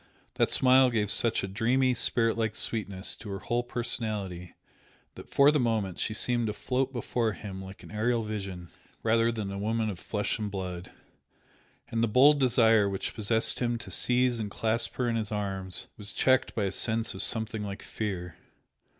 That smile gave such a dreamy, spiritlike sweetness to her whole personality that for the moment she seemed to float before him like an aerial vision rather than a woman of flesh and blood, and the bold desire which possessed him to seize and clasp her in his arms was checked by a sense of something like fear.